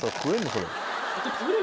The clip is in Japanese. それ。